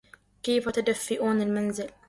كيف تدفئون المنزل؟